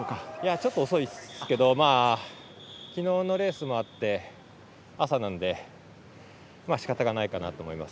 ちょっと遅いですけどきのうのレースもあって朝なので、しかたがないかなと思います。